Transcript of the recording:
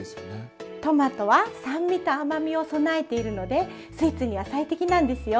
トマトは酸味と甘みを備えているのでスイーツには最適なんですよ。